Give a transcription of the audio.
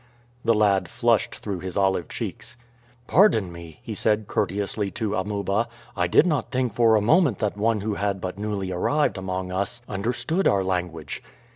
The lad flushed through his olive cheeks. "Pardon me," he said courteously to Amuba. "I did not think for a moment that one who had but newly arrived among us understood our language."